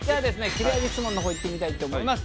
切れ味質問の方いってみたいと思います。